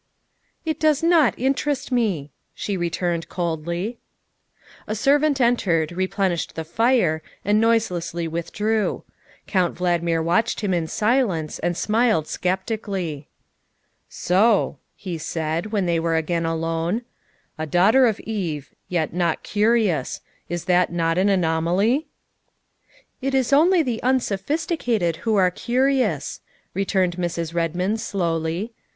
" It does not interest me," she returned coldly. A servant entered, replenished the fire, and noiselessly withdrew; Count Valdmir watched him in silence and smiled sceptically. "So!" he said, when they were again alone, " a THE SECRETARY OF STATE 111 daughter of Eve, yet not curious. Is that not an anomaly ?'' "It is only the unsophisticated who are curious," returned Mrs. Redmond slowly.